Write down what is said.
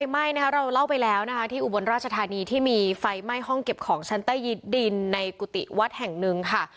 ไม่นะคะเราเล่าไปแล้วนะคะที่อุบลราชธานีที่มีไฟไหม้ห้องเก็บของชั้นใต้ยิดดินในกุฏิวัดแห่งหนึ่งค่ะ